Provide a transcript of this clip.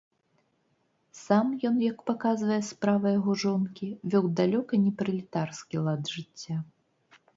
Сам ён, як паказвае справа яго жонкі, вёў далёка не пралетарскі лад жыцця.